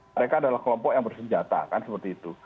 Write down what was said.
mereka adalah kelompok yang bersenjata kan seperti itu